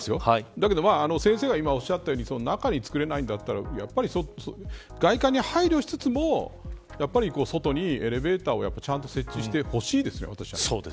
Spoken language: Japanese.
だけど先生が今おっしゃったように中に造れないんだったら外観に配慮しつつも外にエレベーターをちゃんと設置してほしいですよ